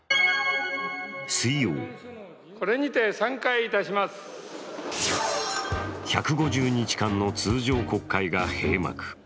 水曜１５０日間の通常国会が閉幕。